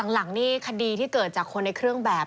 หลังนี่คดีที่เกิดจากคนในเครื่องแบบ